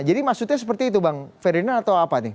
maksudnya seperti itu bang ferdinand atau apa nih